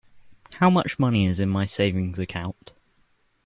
How much money is in my savings account?